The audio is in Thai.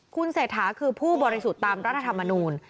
คุณเศรษฐาคือผู้บริสุทธิ์ตามรัฐธรรมนูล